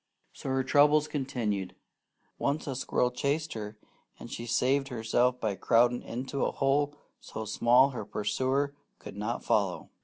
So her troubles continued. Once a squirrel chased her, and she saved herself by crowding into a hole so small her pursuer could not follow.